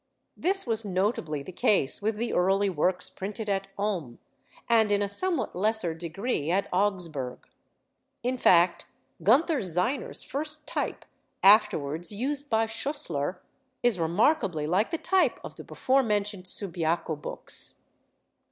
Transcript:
This was notably the case with the early works printed at Ulm, and in a somewhat lesser degree at Augsburg. In fact Gunther Zeiner's first type (afterwards used by Schussler) is remarkably like the type of the before mentioned Subiaco books.